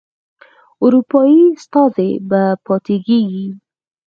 اروپایي استازی به پاتیږي.